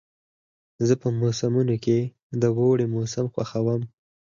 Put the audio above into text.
زه په موسمونو کې د اوړي موسم خوښوم.